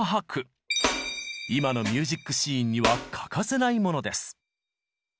今のミュージックシーンには欠かせないものです。